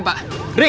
emang kamu mesela